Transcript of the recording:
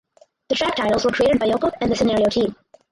The track titles were created by Yoko and the scenario team.